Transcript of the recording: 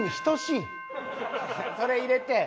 それ入れて。